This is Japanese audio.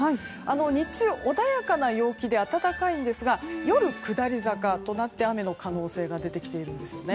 日中、穏やかな陽気で暖かいんですが夜、下り坂となって雨の可能性が出てきています。